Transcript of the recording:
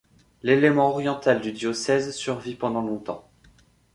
L'élément oriental du diocèse survit pendant longtemps.